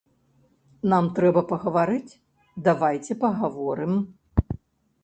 Нам трэба пагаварыць, давайце пагаворым.